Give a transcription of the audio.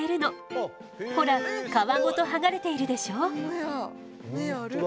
ほら皮ごとはがれているでしょ？